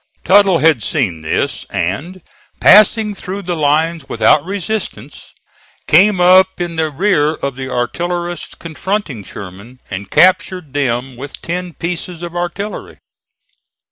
Tuttle had seen this and, passing through the lines without resistance, came up in the rear of the artillerists confronting Sherman and captured them with ten pieces of artillery.